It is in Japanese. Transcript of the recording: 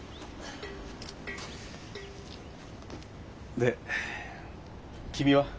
で君は？